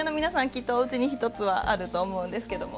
きっとおうちに１つはあると思うんですけども。